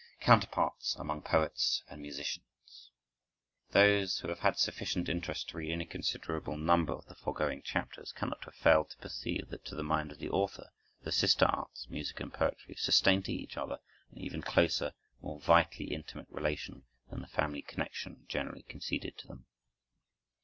Counterparts among Poets and Musicians Those who have had sufficient interest to read any considerable number of the foregoing chapters cannot have failed to perceive that, to the mind of the author, the sister arts, music and poetry, sustain to each other an even closer, more vitally intimate relation than the family connection generally conceded to them.